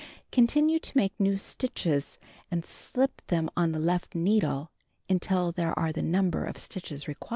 Continue to make new stitches and slip them on the left needle until there are the number of stitches required.